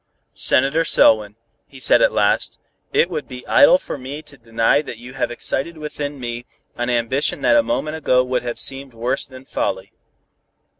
"Senator Selwyn," he said at last, "it would be idle for me to deny that you have excited within me an ambition that a moment ago would have seemed worse than folly.